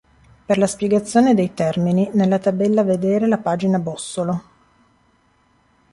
Per la spiegazione dei termini nella tabella vedere la pagina bossolo.